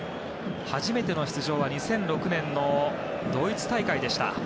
初めての出場は２００６年のドイツ大会でした。